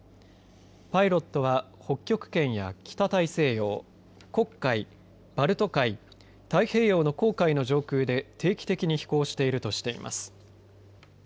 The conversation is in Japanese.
パイロットは北極圏や北大西洋黒海、バルト海太平洋の公海の上空で定期的に飛行しているとしています。